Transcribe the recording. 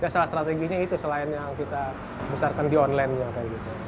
salah strateginya itu selain yang kita besarkan di online